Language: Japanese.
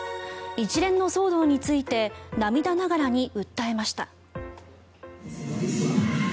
一連の騒動について涙ながらに訴えました。